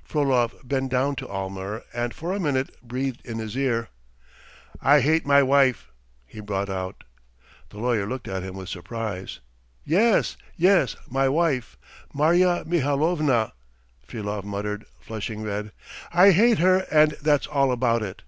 ..." Frolov bent down to Almer and for a minute breathed in his ear. "I hate my wife!" he brought out. The lawyer looked at him with surprise. "Yes, yes, my wife, Marya Mihalovna," Frolov muttered, flushing red. "I hate her and that's all about it."